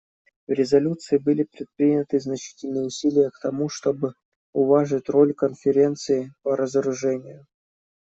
В резолюции были предприняты значительные усилия к тому, чтобы уважить роль Конференции по разоружению.